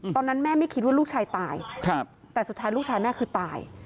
ตอนนั้นแม่ไม่คิดว่าลูกชายตายแต่สุดท้ายลูกชายแม่คือตาย